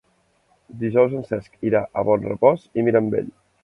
Dijous en Cesc irà a Bonrepòs i Mirambell.